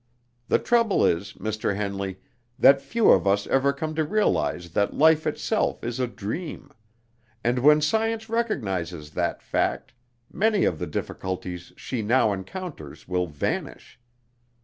The trouble is, Mr. Henley, that few of us ever come to realize that life itself is a dream; and when science recognizes that fact, many of the difficulties she now encounters will vanish.